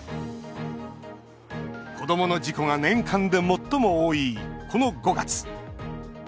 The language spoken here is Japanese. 子どもの事故が年間で最も多いこの５月。